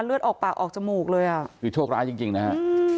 เลือดออกปากออกจมูกเลยอ่ะคือโชคร้ายจริงจริงนะฮะ